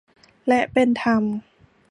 และเป็นธรรม